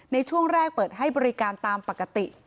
ในช่วงแรกเปิดให้บริการตามปกติ